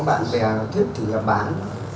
có bạn bè thích thì bán